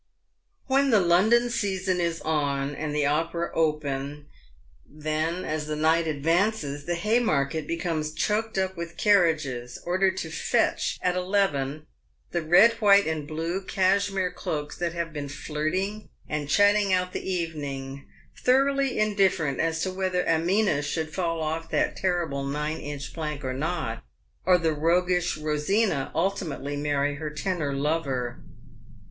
When the London season is on and the Opera open, then, as the night advances, the Haymarket becomes choked up with carriages ordered to "fetch" at eleven the red, white, and blue cashmere cloaks that have been flirting, and chatting out the evening, thoroughly in different as to whether Amina should fall off that terrible nine inch plank or not, or the roguish Bosina ultimately marry her tenor lover.